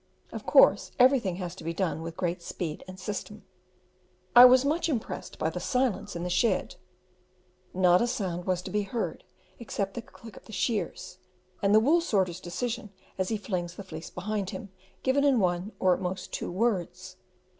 Of course everything has to be done with great speed and system. I was much impressed by the silence in the shed; not a sound was to be heard except the click of the shears, and the wool sorter's decision as he flings the fleece behind him, given in one, or at most two words.